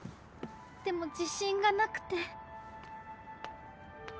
でも自信がなくて。